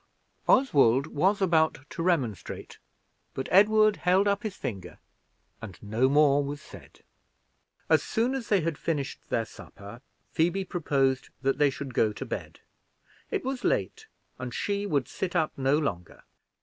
Oswald was about to remonstrate, but Edward held up his finger and no more was said. As soon as they had finished their supper, Phoebe proposed that they should go to bed. It was late, and she would sit up no longer.